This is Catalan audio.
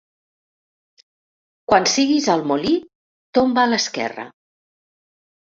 Quan siguis al molí, tomba a l'esquerra.